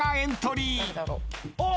おっ！